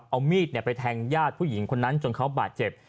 เอามีดไปแทงญาติผู้หญิงคนนั้นจนเขาบาดเจ็บ